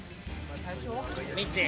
みっちー！